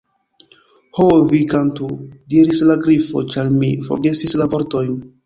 "Ho, vi kantu," diris la Grifo, "ĉar mi forgesis la vortojn."